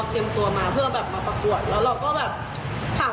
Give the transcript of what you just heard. พอดีว่าเหมือนวันนี้เราเตรียมตัวมาเพื่อแบบมาประกวด